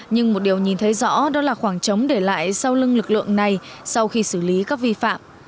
nhưng một điều nhìn thấy rõ đó là khoảng trống để lại sau lưng lực lượng này sau khi xử lý các vi phạm